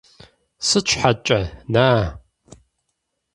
Сыт щхьэкӀэ, на-а?